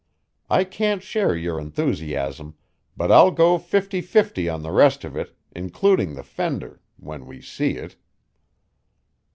I can't share your enthusiasm, but I'll go fifty fifty on the rest of it, including the fender when we see it."